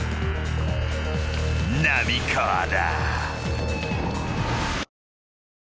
［浪川だ］